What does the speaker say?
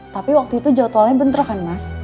tapi waktu itu jualannya bentro kan mas